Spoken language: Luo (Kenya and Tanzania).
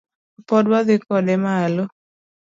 Pod wadhi kode malo